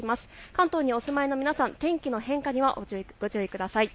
関東にお住まいの皆さん、天気の変化にはご注意ください。